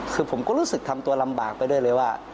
คือผมก็รู้สึกทำตัวลำบากไปด้วยเลยว่า